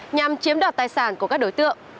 nhằm chiếm đọt tài sản của các đối tượng